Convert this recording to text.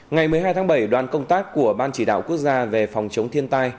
ngày một mươi hai tháng bảy đoàn công tác của ban chỉ đạo quốc gia về phòng chống thiên tai